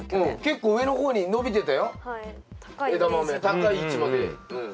高い位置までうん。